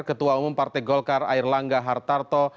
ketua umum partai golkar air langga hartarto